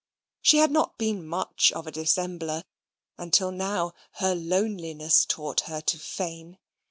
She had not been much of a dissembler, until now her loneliness taught her to feign.